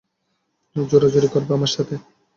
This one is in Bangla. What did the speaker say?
জোরাজুরি করবে আমার সাথে?